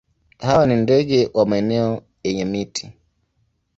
Hawa ni ndege wa maeneo yenye miti.